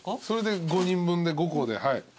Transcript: それで５人分で５個ではい。